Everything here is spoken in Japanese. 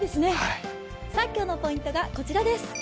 今日のポイントがこちらです。